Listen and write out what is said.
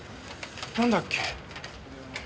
なんだっけ？